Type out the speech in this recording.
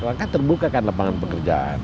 rangka terbuka kan lapangan pekerjaan